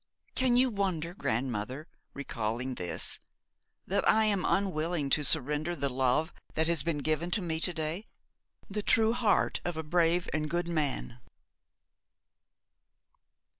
Can you wonder, grandmother, recalling this, that I am unwilling to surrender the love that has been given me to day the true heart of a brave and good man!'